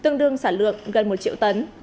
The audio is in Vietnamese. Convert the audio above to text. tương đương sản lượng gần một triệu tấn